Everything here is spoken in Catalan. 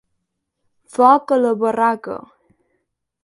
Foc a la barraca!